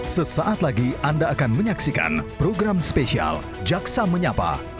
sesaat lagi anda akan menyaksikan program spesial jaksa menyapa